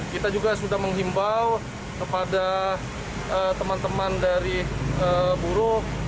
kita juga sudah menghimbau kepada teman teman dari buruh